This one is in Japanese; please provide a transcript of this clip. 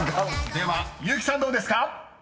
［では結木さんどうですか？］